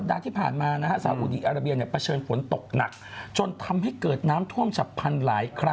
เพราะฉะนั้นวันหนึ่งถ้าสมมุติกรุงเทศเจ้าหิมะตกมันก็ไม่เห็นจะแปลกแล้วเนอะ